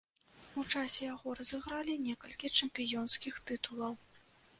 У часе яго разыгралі некалькі чэмпіёнскіх тытулаў.